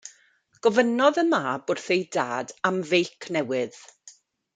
Gofynnodd y mab wrth ei dad am feic newydd.